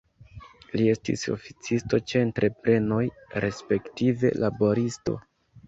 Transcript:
Li estis oficisto ĉe entreprenoj, respektive laboristo.